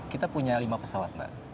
kita punya lima pesawat mbak